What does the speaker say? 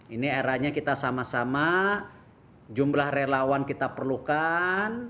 ini eranya kita sama sama jumlah relawan kita perlukan